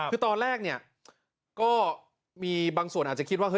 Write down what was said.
คือตอนแรกเนี่ยก็มีบางส่วนอาจจะคิดว่า